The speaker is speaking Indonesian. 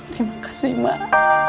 terima kasih mak